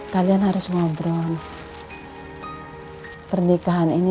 pada saatnya gua ngobrol di tempat ini